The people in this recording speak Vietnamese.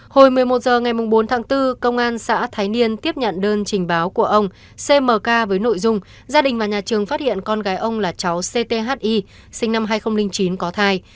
hồi một mươi một h ngày bốn tháng bốn công an xã thái niên tiếp nhận đơn trình báo của ông cm với nội dung gia đình và nhà trường phát hiện con gái ông là cháu cthi sinh năm hai nghìn chín có thai